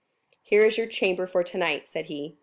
0113m "Here is your chamber for tonight," said he.